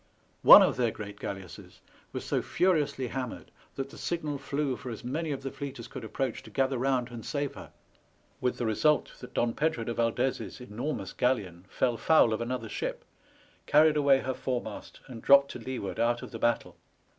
One of their great galle asses was so furiously hammered that the signal flew for as many of the fleet as could approach to gather round and save her ; with the result that Don Pedro de Valdez's enormous galleon fell foul of another ship, carried away her foremast, and dropped to leeward out of the battle.